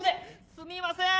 すみません